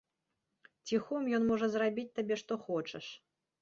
Ціхом ён можа зрабіць табе што хочаш.